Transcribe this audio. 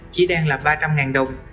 chỉ đang là ba trăm linh đồng